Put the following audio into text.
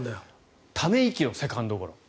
ため息よ、セカンドゴロ。